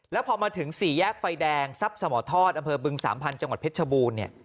แล้วพอมาถึงสี่แยกไฟแดงทรัพย์สมทอดอำเภอบึงสามพันธ์จังหวัดเพชรชบูรณ์เนี่ย